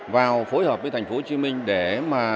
vào phối hợp với tp hcm để mà